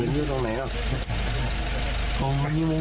อยู่ตรงไหนอ่ะ